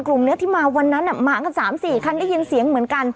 กลุ่มเนื้อที่มาวันนั้นอ่ะมากันสามสี่ครั้งได้ยินเสียงเหมือนกัน